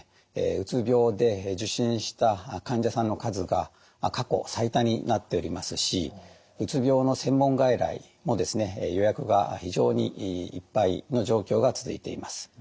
うつ病で受診した患者さんの数が過去最多になっておりますしうつ病の専門外来も予約が非常にいっぱいの状況が続いています。